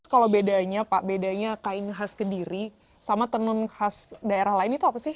kalau bedanya pak bedanya kain khas kediri sama tenun khas daerah lain itu apa sih